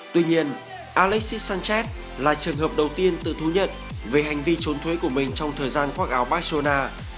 tuy nhiên alexis sanchez là trường hợp đầu tiên tự thú nhận về hành vi trốn thuế của mình trong thời gian khoác áo barcelona